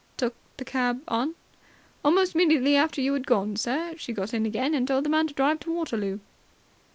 "Took the cab on?" "Almost immediately after you had gone, sir, she got in again and told the man to drive to Waterloo."